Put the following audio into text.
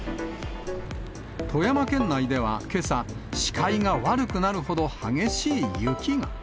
富山県内では、けさ、視界が悪くなるほど激しい雪が。